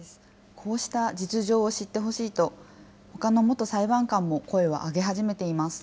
こうした実情を知ってほしいと、ほかの元裁判官も声を上げ始めています。